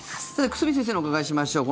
久住先生にお伺いしましょう。